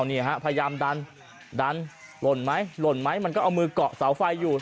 นี่ฮะพยายามดันดันหล่นไหมหล่นไหมมันก็เอามือเกาะเสาไฟอยู่